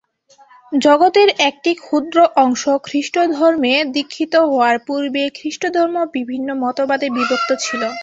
জগতের একটি ক্ষুদ্র অংশ খ্রীষ্টধর্মে দীক্ষিত হওয়ার পূর্বে খ্রীষ্টধর্ম বিভিন্ন মতবাদে বিভক্ত ছিল।